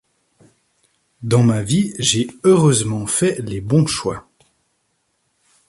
Dans ma vie, j'ai heureusement fait les bons choix.